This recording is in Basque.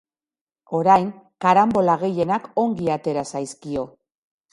Orain karanbola gehienak ongi atera zaizkio.